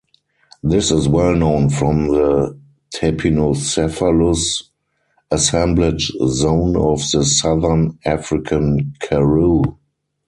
This is well known from the Tapinocephalus Assemblage Zone of the Southern African Karoo.